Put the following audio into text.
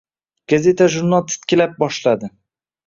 Gazeta-jurnal titkilab boshladi.